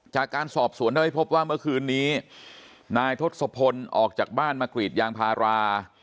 จากการสอบสวนทำให้พบว่าเมื่อคืนนี้นายทศพลออกจากบ้านมากรีดยางพารา